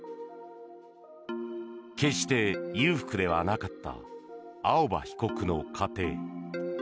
決して裕福ではなかった青葉被告の家庭。